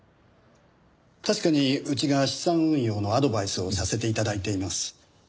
確かにうちが資産運用のアドバイスをさせて頂いています。